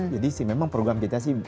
jadi sih memang program kita sih